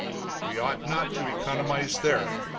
We ought not to economize there.